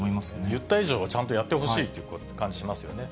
言った以上は、ちゃんとやってほしいという感じしますよね。